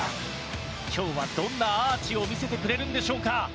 今日はどんなアーチを見せてくれるんでしょうか？